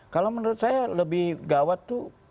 kalau menurut saya lebih gawat tuh